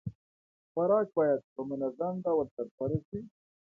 خوراک بايد په منظم ډول ترسره شي.